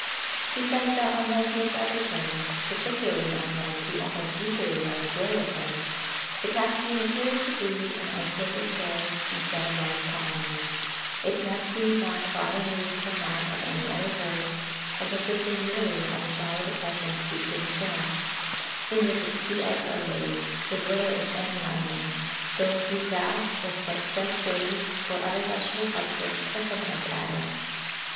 He says that unlike most other Terns, particularly unlike the almost equally large Royal Tern, the Caspian appears to breed in isolated pairs instead of large colonies, its nest being found far removed from that of any other bird, and consisting merely of a shallow depression scooped in the sand, in which its two eggs are laid, with little if any lining, though a few grass or sedge blades or other vegetable substance are sometimes added.